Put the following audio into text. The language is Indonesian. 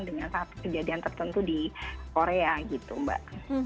dengan satu kejadian tertentu di korea gitu mbak